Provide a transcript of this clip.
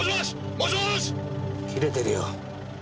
もしもーし！切れてるよ。